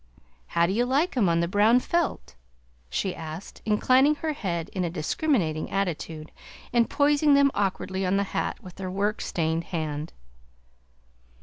How do you like em on the brown felt?" she asked, inclining her head in a discriminating attitude and poising them awkwardly on the hat with her work stained hand.